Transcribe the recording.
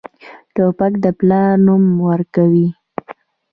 توپک د پلار نوم ورکوي.